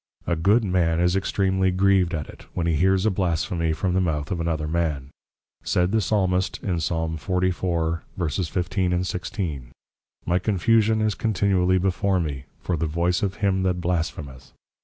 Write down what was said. A good man is extreamly grieved at it, when he hears a Blasphemy from the mouth of another man; said the Psalmist, in Psal. 44.15, 16. _My Confusion is continually before me, for the voice of him that Blasphemeth.